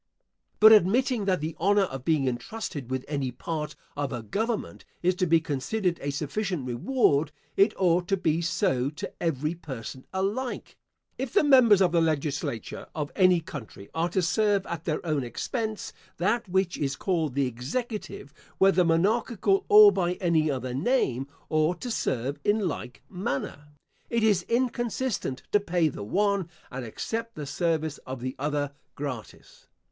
But admitting that the honour of being entrusted with any part of a government is to be considered a sufficient reward, it ought to be so to every person alike. If the members of the legislature of any country are to serve at their own expense that which is called the executive, whether monarchical or by any other name, ought to serve in like manner. It is inconsistent to pay the one, and accept the service of the other gratis.